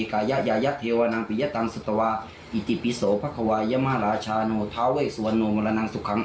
แต่ถ้าเกิดว่าทำผิดกฎหมายไอ้แต้มบุญที่ผ่านมาก็ช่วยไม่ได้เหมือนกัน